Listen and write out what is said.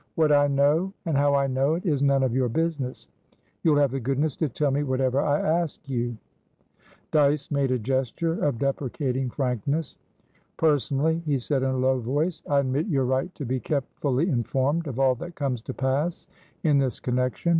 "What I know, and how I know it, is none of your business. You'll have the goodness to tell me whatever I ask you." Dyce made a gesture of deprecating frankness. "Personally," he said in a low voice, "I admit your right to be kept fully informed of all that comes to pass in this connection.